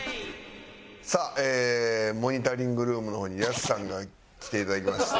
さあモニタリングルームの方にヤスさんが来ていただきまして。